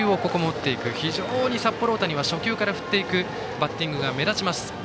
非常に札幌大谷は初球から振っていくバッティング目立ちます。